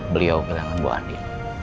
beliau kehilangan buah diri